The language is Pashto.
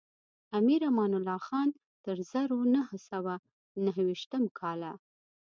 امیر امان الله خان تر زرو نهه سوه نهه ویشتم کاله.